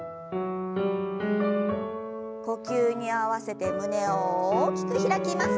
呼吸に合わせて胸を大きく開きます。